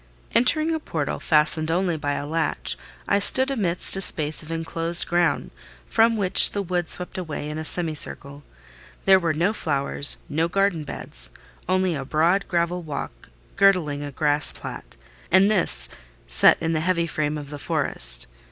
Entering a portal, fastened only by a latch, I stood amidst a space of enclosed ground, from which the wood swept away in a semicircle. There were no flowers, no garden beds; only a broad gravel walk girdling a grass plat, and this set in the heavy frame of the forest.